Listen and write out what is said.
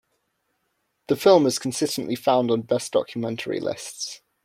The film is consistently found on “best documentary” lists.